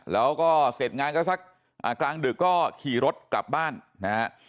แล้วก็เสร็จงานก็สักกลางดึกก็ขี่รถกลับบ้านนะฮะ